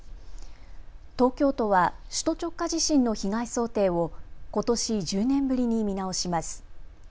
東京都は首都直下地震の被害想定をことし１０年ぶりに見直します。